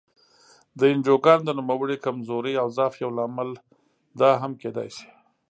د انجوګانو د نوموړې کمزورۍ او ضعف یو لامل دا هم کېدای شي.